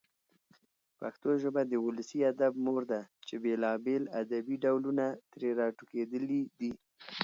پښتو ژبه د ولسي ادب مور ده چي بېلابېل ادبي ډولونه ترې راټوکېدلي دي.